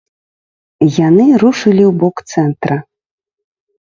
Яны рушылі ў бок цэнтра.